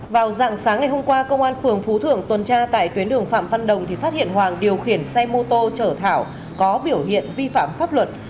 vào dạng sáng ngày hôm qua công an phường phú thưởng tuần tra tại tuyến đường phạm văn đồng thì phát hiện hoàng điều khiển xe mô tô chở thảo có biểu hiện vi phạm pháp luật